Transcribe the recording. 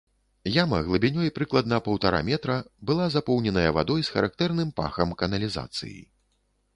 Яма глыбінёй прыкладна паўтара метра была запоўненая вадой з характэрным пахам каналізацыі.